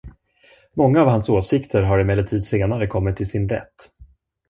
Många av hans åsikter har emellertid senare kommit till sin rätt.